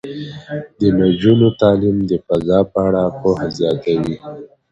د نجونو تعلیم د فضا په اړه پوهه زیاتوي.